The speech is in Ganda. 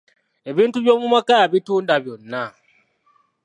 Ebintu eby'omu maka yabitunda byonna.